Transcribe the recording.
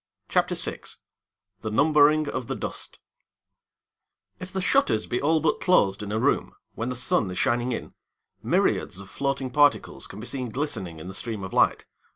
CHAPTER VI THE NUMBERING OF THE DUST If the shutters be all but closed in a room, when the sun is shining in, myriads of floating particles can be seen glistening in the stream of light.